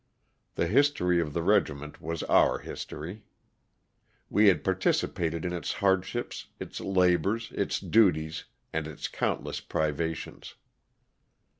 The history of the regiment was our history. We had participated in its hardships, its labors, its duties and its countless privations.